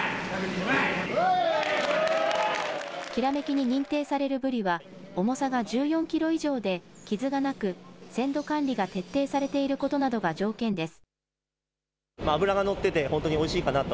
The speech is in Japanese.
煌に認定されるブリは、重さが１４キロ以上で、傷がなく、鮮度管理が徹底されていることなどが条件です。